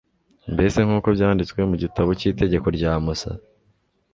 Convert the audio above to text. mbese nk'uko byanditswe mu gitabo cy'itegeko rya musa